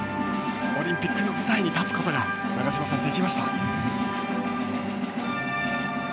オリンピックの舞台に立つことが長嶋さん、できました。